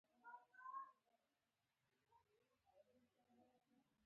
ګیلاس له شیشې جوړ شوی وي.